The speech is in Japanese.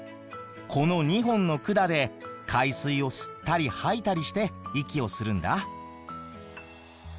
この２本の管で海水を吸ったり吐いたりして息をするんだ。